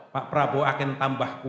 pak prabowo akan tambah kuat